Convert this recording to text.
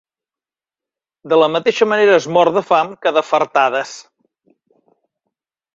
De la mateixa manera es mor de fam que de fartades.